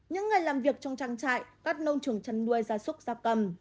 những người làm việc trong trang trại các nông trường chăn nuôi ra súc ra cầm